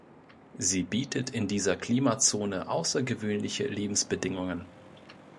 Sie bietet in dieser Klimazone außergewöhnliche Lebensbedingungen.